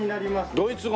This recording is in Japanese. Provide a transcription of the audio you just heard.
ドイツ語？